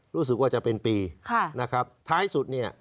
รู้สึกว่าจะเป็นปีนะครับท้ายสุดเนี่ย